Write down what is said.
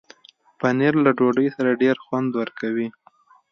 پنېر له ډوډۍ سره ډېر خوند ورکوي.